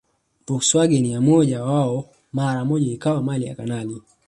Volkswagen ya mmoja wao mara moja ikawa mali ya kanali